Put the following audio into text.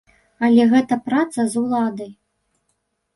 Але гэта праца з уладай.